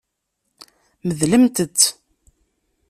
Medlemt-t.